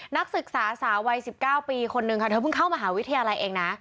นักศึกษาสาววัย๑๙ปีคนนึงค่ะเธอเพิ่งเข้ามหาวิทยาลัยเองนะ